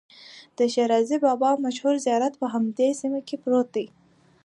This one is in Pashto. د شیرازي بابا مشهور زیارت هم په همدې سیمه کې پروت دی.